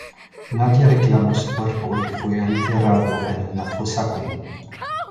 Nadie reclamó su cuerpo y fue enterrado en una fosa común.